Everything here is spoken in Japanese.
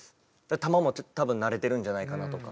球も多分慣れてるんじゃないかなとか。